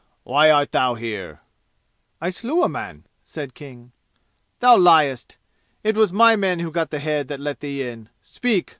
"Why art thou here?" "I slew a man," said King. "Thou liest! It was my men who got the head that let thee in! Speak!